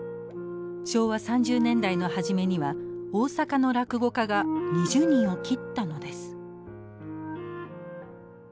昭和３０年代の初めには大阪の落語家が２０人を切ったのです。